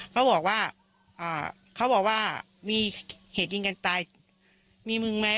เขาบอกว่ามีเหตุยิงกันตายมีมึงมั้ย